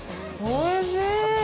おいしい。